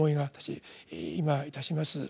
今いたします。